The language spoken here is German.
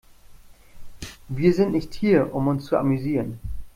Wir sind nicht hier, um uns zu amüsieren.